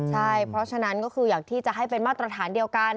ใช่เพราะฉะนั้นก็คืออยากที่จะให้เป็นมาตรฐานเดียวกัน